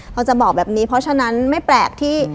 เราจะบอกแบบนี้เพราะฉะนั้นไม่แปลกที่